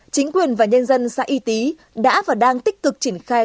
chính quyền và nhân dân xã y tý đã và đang tích cực triển khai